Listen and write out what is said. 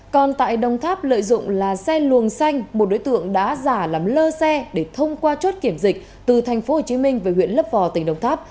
còn tại đồng tháp lợi dụng là xe luồng xanh một đối tượng đã giả làm lơ xe để thông qua chốt kiểm dịch từ tp hcm về huyện lấp vò tỉnh đồng tháp